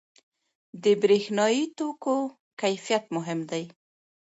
• د برېښنايي توکو کیفیت مهم دی.